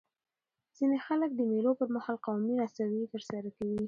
ځيني خلک د مېلو پر مهال قومي نڅاوي ترسره کوي.